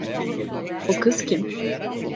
O kız kim?